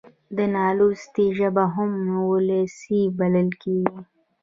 د نالوستي ژبه هم وولسي بلل کېږي.